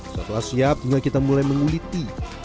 setelah siap juga kita mulai menguliti